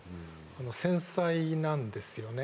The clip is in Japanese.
繊細なんですよね。